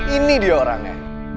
ini dia orangnya